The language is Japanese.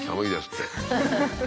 って。